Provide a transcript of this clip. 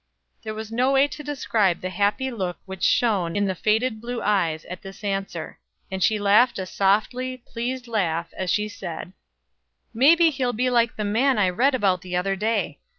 There is no way to describe the happy look which shone in the faded blue eyes at this answer; and she laughed a softly, pleased laugh as she said: "Maybe he'll be like the man I read about the other day.